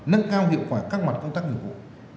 nâng cao hiệu quả các mặt công tác nghiệp vụ